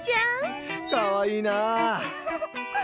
かわいいなあ。